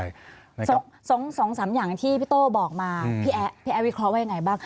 สองสามอย่างที่พี่โต้บอกมาพี่แอ๊วิเคราะห์ว่ายังไงบ้าง